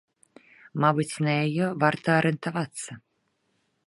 Мабыць, на яе варта арыентавацца.